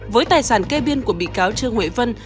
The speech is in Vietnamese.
với tài sản kê biên của bị cáo trương huệ vân